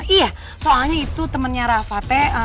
iya soalnya itu temennya rafatnya